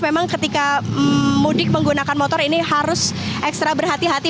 memang ketika mudik menggunakan motor ini harus ekstra berhati hati